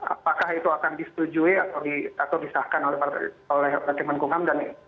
apakah itu akan disetujui atau disahkan oleh kemenhumkam